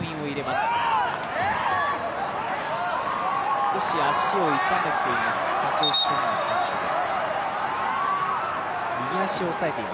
少し足を痛めています、北朝鮮の選手です。